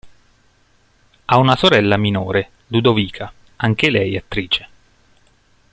Ha una sorella minore, Ludovica, anche lei attrice.